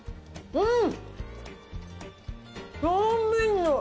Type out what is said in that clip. うん！